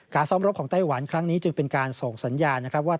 ซ้อมรบของไต้หวันครั้งนี้จึงเป็นการส่งสัญญาณนะครับว่า